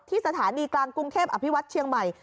สถานีกลางกรุงเทพอภิวัติเชียงใหม่